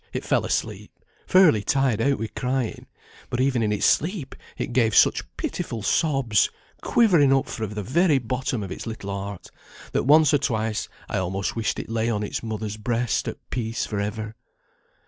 it fell asleep, fairly tired out wi' crying, but even in its sleep it gave such pitiful sobs, quivering up fra' the very bottom of its little heart, that once or twice I almost wished it lay on its mother's breast, at peace for ever.